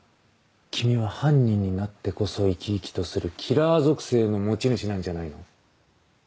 君は犯人になってこそ生き生きとするキラー属性の持ち主なんじゃないの？